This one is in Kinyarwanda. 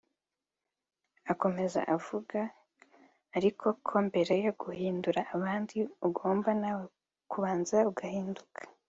Akomeza avuga ariko ko mbere yo guhindura abandi ugomba nawe kubanza ugahinduka